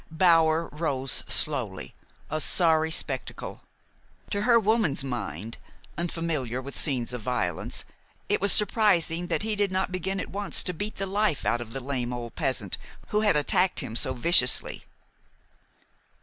Bower rose slowly, a sorry spectacle. To her woman's mind, unfamiliar with scenes of violence, it was surprising that he did not begin at once to beat the life out of the lame old peasant who had attacked him so viciously.